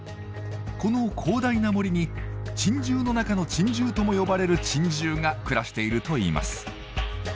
この広大な森に珍獣の中の珍獣とも呼ばれる珍獣が暮らしているといいます。